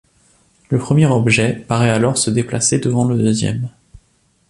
Le premier objet paraît alors se déplacer devant le deuxième.